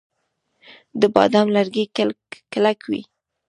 د بادام لرګي کلک وي.